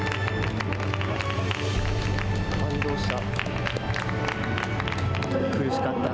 感動した。